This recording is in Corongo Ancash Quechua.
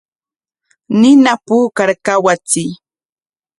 Nina puukar kawachiy.